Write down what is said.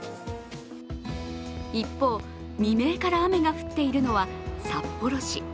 一方、未明から雨が降っているのは札幌市。